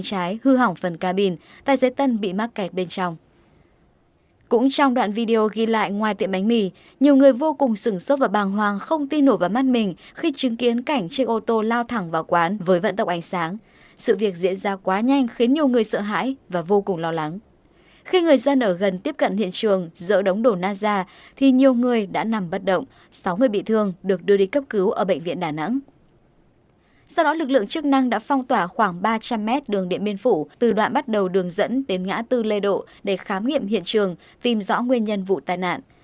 sau đó lực lượng chức năng đã phong tỏa khoảng ba trăm linh mét đường điện biên phủ từ đoạn bắt đầu đường dẫn đến ngã tư lê độ để khám nghiệm hiện trường tìm rõ nguyên nhân vụ tai nạn